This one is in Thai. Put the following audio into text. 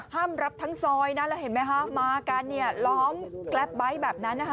รับทั้งซอยนะแล้วเห็นไหมคะมากันเนี่ยล้อมแกรปไบท์แบบนั้นนะคะ